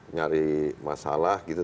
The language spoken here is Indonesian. nyari masalah gitu